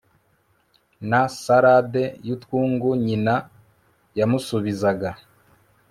na salade yutwungu Nyina yamusubizaga